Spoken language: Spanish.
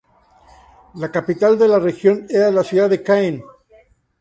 La capital de la región era la ciudad de Caen.